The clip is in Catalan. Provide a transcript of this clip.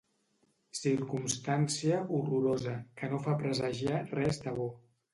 Circumstància horrorosa, que no fa presagiar res de bo.